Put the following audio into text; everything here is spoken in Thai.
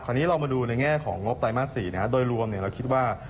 นี้เรามาดูในแง่ของงบไตรมาส๔โดยรวมเราคิดว่า